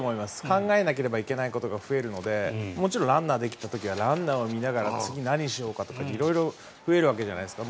考えなければいけないことが増えるのでもちろんランナーができた時はランナーを見ながら次、何しようかとか色々増えるわけじゃないですか。